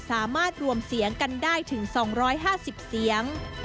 สามารถรวมเสียงกันได้ถึง๒๕๐เสียง